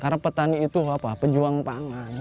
karena petani itu apa pejuang pangan